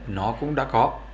nó cũng đã có